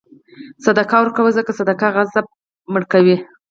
صدقه ورکوه، ځکه صدقه غضب مړه کوي.